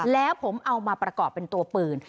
แล้วผมเอามาประกอบเป็นตัวปืน